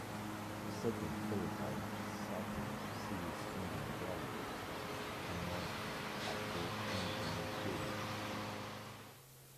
The second prototype suffered a serious engine failure a few months after entering service.